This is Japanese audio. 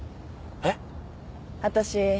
えっ！？